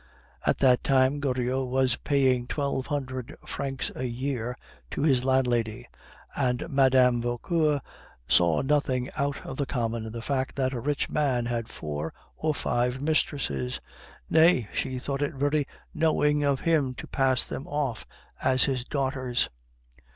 At that time Goriot was paying twelve hundred francs a year to his landlady, and Mme. Vauquer saw nothing out of the common in the fact that a rich man had four or five mistresses; nay, she thought it very knowing of him to pass them off as his daughters.